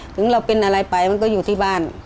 ถึงเราเป็นอะไรไปมันก็อยู่ที่บ้าน